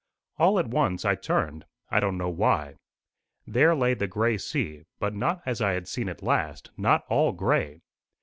All at once I turned I don't know why. There lay the gray sea, but not as I had seen it last, not all gray.